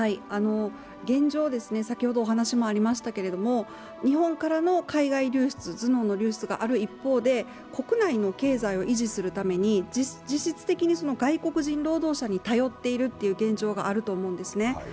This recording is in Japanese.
現状、日本からの海外流出、頭脳の流出がある一方で国内の経済を維持するために実質的に外国人労働者に頼っているという現状があると思うんですね。